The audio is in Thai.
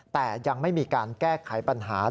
แต่ยังไม่มีการแก้ไขปัญหา